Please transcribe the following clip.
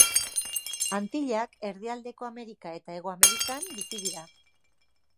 Antillak, Erdialdeko Amerika eta Hego Amerikan bizi dira.